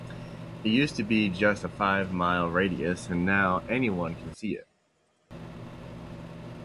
It used to be just a five-mile radius, and now anyone can see it.